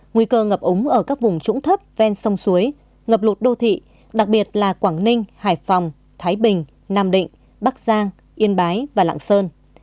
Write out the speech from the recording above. nguy cơ ngập ống ở các vùng trũng thấp ven sông suối ngập lụt đô thị đặc biệt là quảng ninh hải phòng thái bình nam định bắc giang yên bái và lạng sơn